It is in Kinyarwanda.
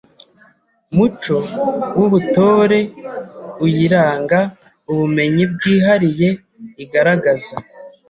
muco w’Ubutore uyiranga, ubumenyi bwihariye igaragaza,